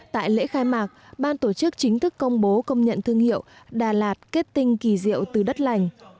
tại lễ khai mạc ban tổ chức chính thức công bố công nhận thương hiệu đà lạt kết tinh kỳ diệu từ đất lành